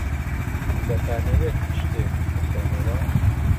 دەتانەوێت شتێک بخۆنەوە؟